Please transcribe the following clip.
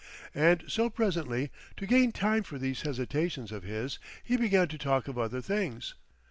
And so presently, to gain time for these hesitations of his, he began to talk of other things.